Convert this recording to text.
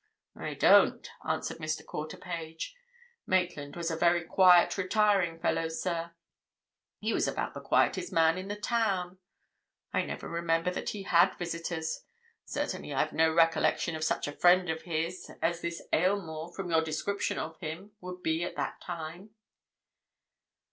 "I don't," answered Mr. Quarterpage. "Maitland was a very quiet, retiring fellow, sir: he was about the quietest man in the town. I never remember that he had visitors; certainly I've no recollection of such a friend of his as this Aylmore, from your description of him, would be at that time."